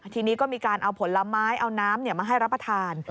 ทีนี้ก็มีการเอาผลไม้เอาน้ำมาให้รับประทาน